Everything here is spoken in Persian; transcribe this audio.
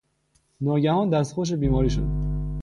ناگهان دستخوش بیماری شد.